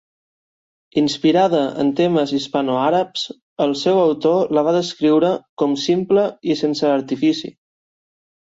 Inspirada en temes hispanoàrabs, el seu autor la va descriure com simple i sense artifici.